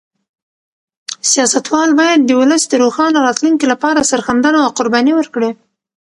سیاستوال باید د ولس د روښانه راتلونکي لپاره سرښندنه او قرباني ورکړي.